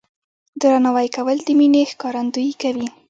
درناوی کول د مینې ښکارندویي کوي.